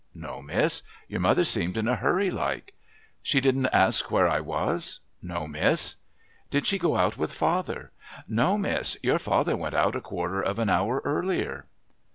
"No, miss. Your mother seemed in a hurry like." "She didn't ask where I was?" "No, miss." "Did she go out with father?" "No, miss your father went out a quarter of an hour earlier."